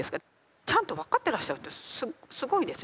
ちゃんと分かってらっしゃるってすごいですよね。